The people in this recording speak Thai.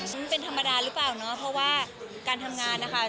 ซึ่งเป็นธรรมดาหรือเปล่าเนาะเพราะว่าการทำงานนะคะ